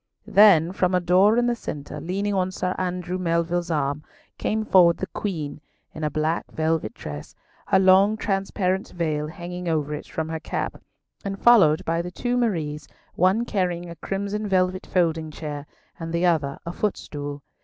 Then from a door in the centre, leaning on Sir Andrew Melville's arm, came forward the Queen, in a black velvet dress, her long transparent veil hanging over it from her cap, and followed by the two Maries, one carrying a crimson velvet folding chair, and the other a footstool.